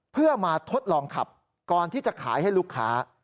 เพื่อมาทดลองขับก่อนที่จะขายให้ลูกค้า